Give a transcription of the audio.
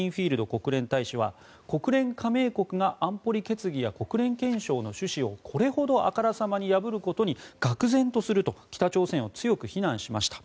国連大使は国連加盟国が安保理決議や国連憲章の趣旨をこれほどあからさまに破ることにがくぜんとすると北朝鮮を強く非難しました。